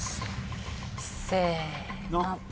せの。